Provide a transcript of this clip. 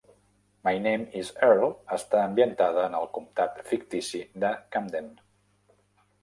My Name Is Earl està ambientada en el comtat fictici de Camden.